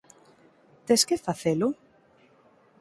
Tes que facelo?.